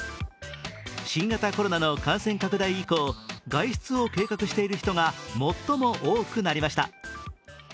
新型コロナの感染拡大以降、外出を計画している人が最も多くなりました。